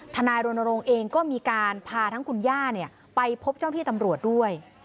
นายรณรงค์เองก็มีการพาทั้งคุณย่าไปพบเจ้าที่ตำรวจด้วย